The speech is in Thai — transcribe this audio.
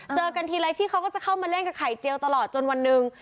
เจอกันทีไรพี่เขาก็จะเข้ามาเล่นกับไข่เจียวตลอดจนวันหนึ่ง